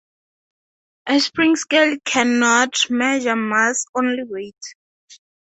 A spring scale can not measure mass, only weight.